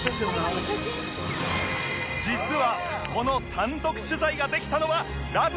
実はこの単独取材ができたのは『ラブ！！